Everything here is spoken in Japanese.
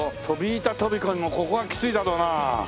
飛び板飛び込みもここはきついだろうな